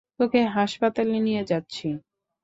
তোকে হাসপাতালে নিয়ে যাচ্ছি।